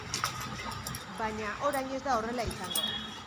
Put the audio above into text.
Baina, orain ez da horrela izango.